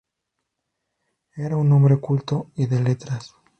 Era un hombre culto y de letras.